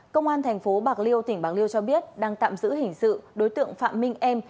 công an thành phố bạc liêu tỉnh bạc liêu cho biết đang tạm giữ hình sự đối tượng phạm minh em